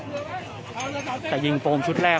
มันก็ไม่ต่างจากที่นี่นะครับ